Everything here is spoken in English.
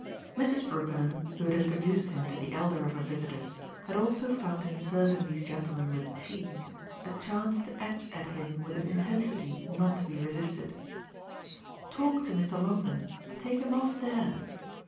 II Mrs. Brookenham, who had introduced him to the elder of her visitors, had also found in serving these gentlemen with tea, a chance to edge at him with an intensity not to be resisted: "Talk to Mr. Longdon take him off THERE."